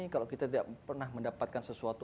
kalau kita tidak pernah mendapatkan sesuatu